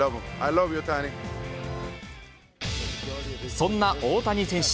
そんな大谷選手。